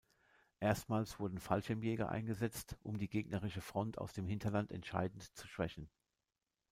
Erstmals wurden Fallschirmjäger eingesetzt, um die gegnerische Front aus dem Hinterland entscheidend zu schwächen.